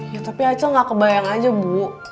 ya tapi acil ga kebayang aja bu